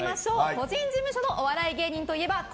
個人事務所のお笑い芸人といえば？